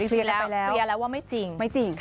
เรียนแล้วว่าไม่จริง